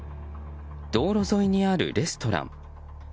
道路沿いにあるレストラン。